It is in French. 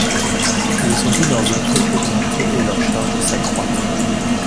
Ils ont vu leurs impôts augmenter et leurs charges s’accroître.